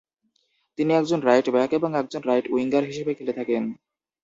তিনি একজন right back এবং একজন রাইট উইঙ্গার হিসেবে খেলে থাকেন।